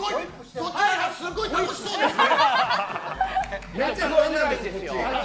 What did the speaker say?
そっちはなんかすごい楽しそうですね。